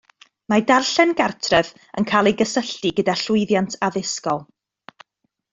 Mae darllen gartref yn cael ei gysylltu gyda llwyddiant addysgol